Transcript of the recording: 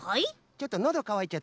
ちょっとのどかわいちゃった。